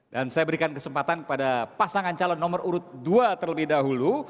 dan saya berikan kesempatan kepada pasangan calon nomor urut dua terlebih dahulu